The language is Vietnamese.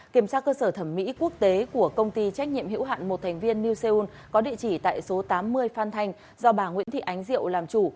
kiểm tra cơ sở thẩm mỹ quốc tế của công ty trách nhiệm hữu hạn một thành viên new seul có địa chỉ tại số tám mươi phan thanh do bà nguyễn thị ánh diệu làm chủ